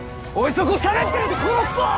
そこしゃべってると殺すぞ！